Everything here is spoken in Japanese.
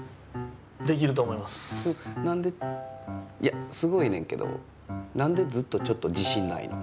いやすごいねんけどなんでずっとちょっと自しんないの？